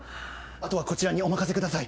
後はこちらにお任せください。